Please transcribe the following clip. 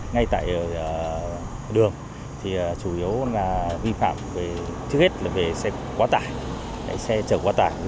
ngay tại đường thì chủ yếu là vi phạm trước hết là về xe quá tải xe chở quá tải